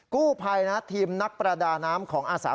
กู้ภัยนะทีมนักประดาน้ำของอาสา